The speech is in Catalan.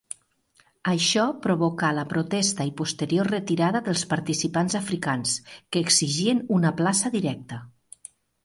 Això provocà la protesta i posterior retirada dels participants africans, que exigien una plaça directa.